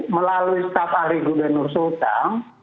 melalui staf ahli gubernur sultan